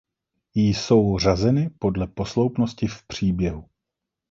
Jsou řazeny podle posloupnosti v příběhu.